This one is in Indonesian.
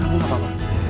kamu apa pak